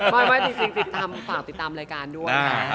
ไม่จริงฝากติดตามรายการด้วย